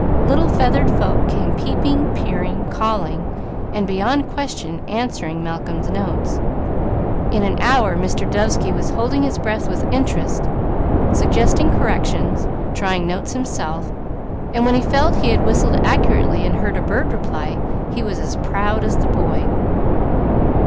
Little feathered folk came peeping, peering, calling, and beyond question answering Malcolm's notes. In an hour Mr. Dovesky was holding his breath with interest, suggesting corrections, trying notes himself, and when he felt he had whistled accurately and heard a bird reply, he was as proud as the boy.